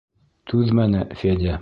Түҙмәне Федя.